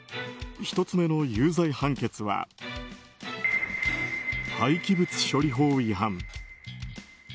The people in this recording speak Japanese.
１つ目の有罪判決は廃棄物処理法違反。